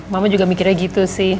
mama juga mikirnya gitu sih